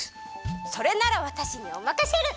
それならわたしにおまかシェル！